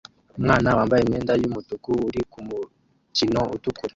Umwana wambaye imyenda yumutuku uri kumukino utukura